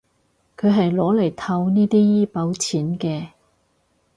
佢係攞嚟套呢啲醫保錢嘅